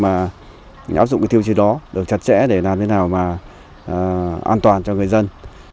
áp dụng cái thiêu chí đó được chặt chẽ để làm thế nào mà an toàn cho người dân